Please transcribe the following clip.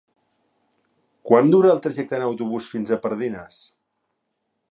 Quant dura el trajecte en autobús fins a Pardines?